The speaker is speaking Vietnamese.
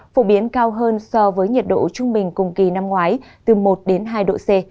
phổ biến cao hơn so với nhiệt độ trung bình cùng kỳ năm ngoái từ một đến hai độ c